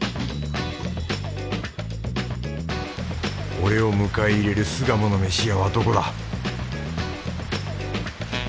俺を迎え入れる巣鴨の飯屋はどこだ？